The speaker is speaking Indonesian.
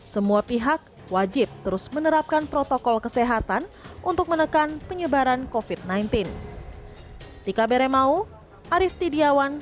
semua pihak wajib terus menerapkan protokol kesehatan untuk menekan penyebaran covid sembilan belas